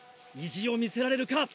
意地を見せられるか？